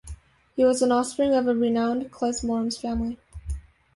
He was an offspring of a renowned klezmorim's family.